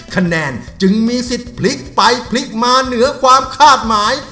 คะแนนจึงมีสิทธิ์พลิกไปพลิกมาเหนือความคาดหมาย